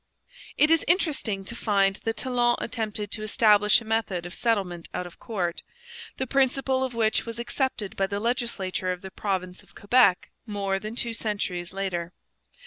It is interesting to find that Talon attempted to establish a method of settlement out of court, the principle of which was accepted by the legislature of the province of Quebec more than two centuries later.